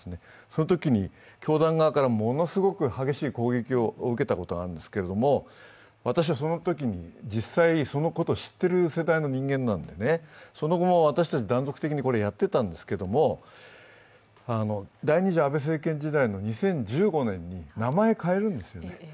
そのときに、教団側からものすごく激しい攻撃を受けたことがあるんですけど、私はそのときに実際、そのことを知っている人間なのでその後も私たち断続的にこれをやっていたんですけれども、第２次安倍政権時代の２０１５年に名前変えるんですね。